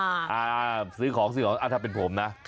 อ่าซื้อของซื้อของถ้าเป็นผมนะ